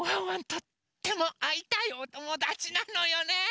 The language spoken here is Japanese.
とってもあいたいおともだちなのよね。